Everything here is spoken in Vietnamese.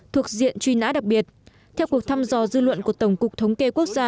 thuộc diện truy nã đặc biệt theo cuộc thăm dò dư luận của tổng cục thống kê quốc gia